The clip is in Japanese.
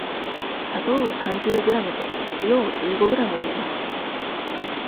砂糖を三十グラムと塩を十五グラム入れます。